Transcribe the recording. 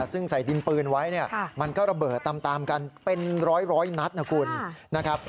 ซึ่งใส่ดินปืนไว้เนี่ยมันก็ระเบิดตามกันเป็นร้อยนัดนะคุณนะครับ